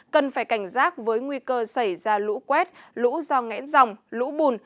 cần phải cảnh giác với nguy cơ xảy ra lũ quét lũ do ngẽn dòng lũ bùn